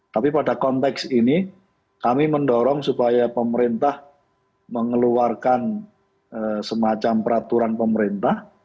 tapi pada konteks ini kami mendorong supaya pemerintah mengeluarkan semacam peraturan pemerintah